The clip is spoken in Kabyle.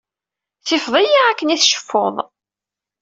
Tifeḍ-iyi akken ay tceffuḍ.